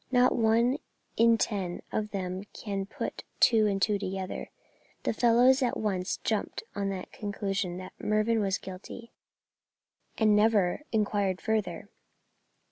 Not one in ten of them can put two and two together. The fellows at once jumped to the conclusion that Mervyn was guilty, and never inquired further."